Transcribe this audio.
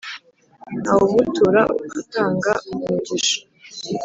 ntawumutura atanga umugisha